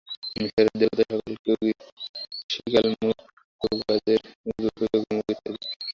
মিসরের দেবতাসকল কেউ শৃগালমুখ, কেউ বাজের মুখযুক্ত, কেউ গোমুখ ইত্যাদি।